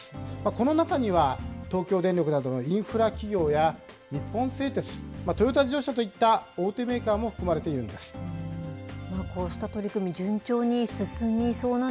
この中には東京電力などのインフラ企業や、日本製鉄、トヨタ自動車といった大手メーカーも含まれこうした取り組み、順調に進